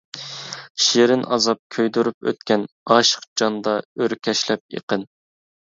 شېرىن ئازاب كۆيدۈرۈپ ئۆتكەن، ئاشىق جاندا ئۆركەشلەپ ئېقىن.